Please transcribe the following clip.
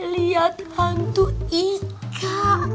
lihat hantu ika